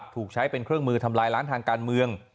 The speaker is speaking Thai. ถูกใช้เป็นเครื่องมือทำลายล้างทางการเมือง